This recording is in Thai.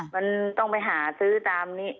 มันต้องไปหาซื้อตามนี้